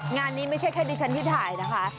งานนี้ไม่ใช่แค่ดิฉันที่ถ่ายนะคะ